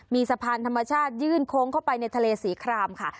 มีสะพานธรรมชาติยื่นโค้งเข้าไปในทะเลสีครามค่ะ